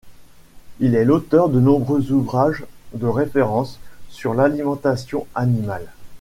Il est l'auteur de nombreux ouvrages de référence sur l'alimentation animale.